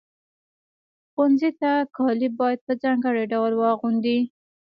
ښوونځي ته کالي باید په ځانګړي ډول واغوندئ.